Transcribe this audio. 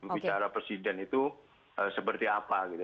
bicara presiden itu seperti apa gitu